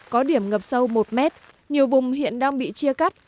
có điểm ngập sâu một mét nhiều vùng hiện đang bị chia cắt